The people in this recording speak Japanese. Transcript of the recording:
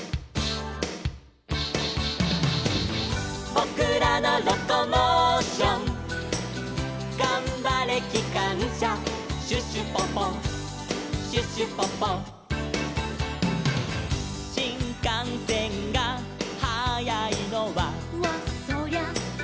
「ぼくらのロコモーション」「がんばれきかんしゃ」「シュシュポポシュシュポポ」「しんかんせんがはやいのは」